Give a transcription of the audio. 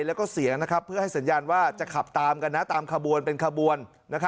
แล้วก็เสียงเพื่อให้สัญญาณว่าจะขับตามกันนะตามขบวนเป็นขบวน